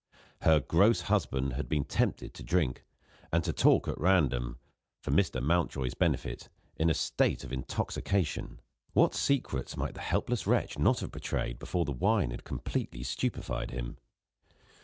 Her gross husband had been tempted to drink, and to talk at random (for Mr. Mountjoy's benefit) in a state of intoxication! What secrets might the helpless wretch not have betrayed before the wine had completely stupefied him?